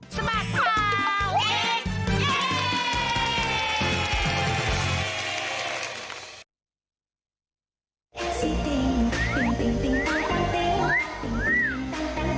สบัดข่าวเด็ก